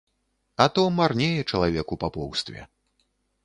А то марнее чалавек у папоўстве.